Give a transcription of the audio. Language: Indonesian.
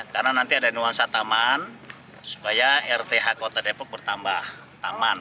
karena nanti ada nuansa taman supaya rth kota depok bertambah taman